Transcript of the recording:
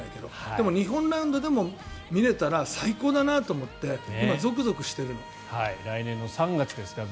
でも日本ラウンドでも見れたら最高だなと思って来年３月です、ＷＢＣ。